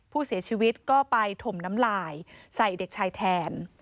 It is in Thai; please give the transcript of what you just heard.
ผู้เสียชีวิตก็ไปถมน้ำลายใส่เด็กชายแทน